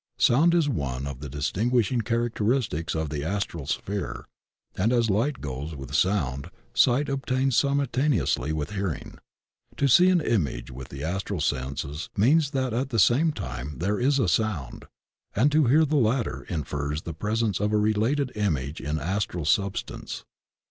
Sound is one of the distinguishing characteristics of the Astral sphere, and as light goes with sound, sight obtains simultaneously wifii hearing. To see an image with the Astral senses means that at the same time there is a soimd, and to hear the latter infers the presence of a related image in Astral substance.